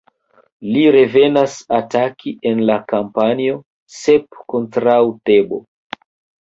Li revenas ataki en la kampanjo "Sep kontraŭ Tebo".